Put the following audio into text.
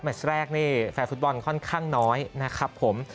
แรกนี่แฟนฟุตบอลค่อนข้างน้อยนะครับผม